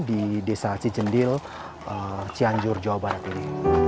di desa cijendil cianjur jawa barat ini